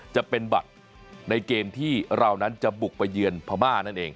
จะเป็นบัตรในเกมที่เรานั้นจะบุกไปเยือนพม่านั่นเอง